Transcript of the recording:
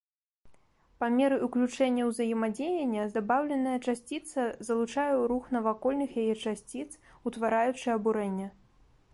Па меры ўключэння ўзаемадзеяння, дабаўленая часціца залучае ў рух навакольных яе часціц, утвараючы абурэнне.